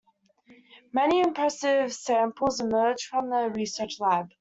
Many impressive samples emerged from the research lab.